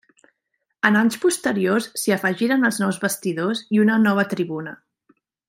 En anys posteriors s'hi afegiren els nous vestidors i una nova tribuna.